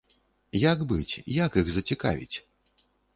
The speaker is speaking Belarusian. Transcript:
Як быць, як іх зацікавіць?